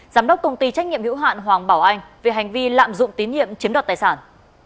giám đốc công ty trách nhiệm hữu hạn hoàng bảo anh về hành vi lạm dụng tín nhiệm chiếm đoạt tài sản